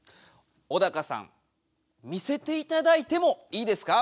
小高さん見せていただいてもいいですか？